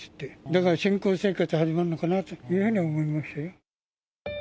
だから新婚生活が始まるのかなというふうに思いましたよ。